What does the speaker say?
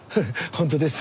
本当です。